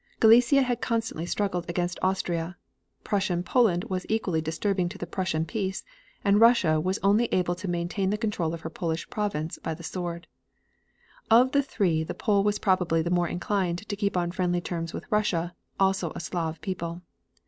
Galicia had constantly struggled against Austria; Prussian Poland was equally disturbing to the Prussian peace, and Russia was only able to maintain the control of her Polish province by the sword. Of the three the Pole was probably more inclined to keep on friendly terms with Russia, also a Slav people.